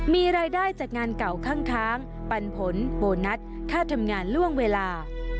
มีรายได้จากงานเก่าข้างปันผลโบนัสค่าทำงานล่วงเวลา